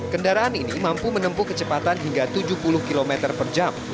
kendaraan ini mampu menempuh kecepatan hingga tujuh puluh km per jam